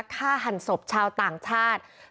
ฆ่าหั่นสมณ์ชาวต่างชาติ